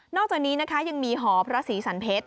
อกจากนี้นะคะยังมีหอพระศรีสันเพชร